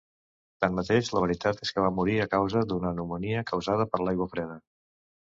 Tanmateix la veritat és que va morir a causa d'una pneumònia causada per l'aigua freda.